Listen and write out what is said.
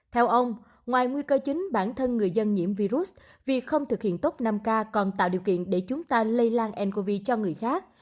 theo ông ngoài nguy cơ chính bản thân người dân nhiễm virus việc không thực hiện tốt năm k còn tạo điều kiện để chúng ta lây lan ncov cho người khác